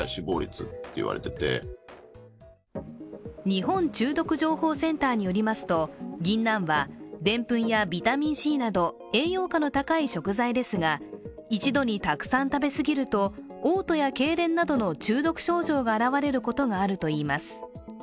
日本中毒情報センターによりますと、ぎんなんはでんぷんやビタミンＣなど栄養価の高い食材ですが一度にたくさん食べ過ぎるとおう吐やけいれんなどの中毒症状が現れることがあるといいます。